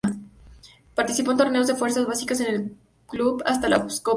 Participó en torneos de fuerzas básicas con el club, hasta la copa chivas.